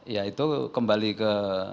ya itu kembali ke